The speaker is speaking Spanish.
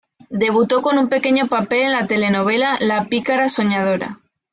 Debutó con un pequeño papel en la telenovela "La pícara soñadora".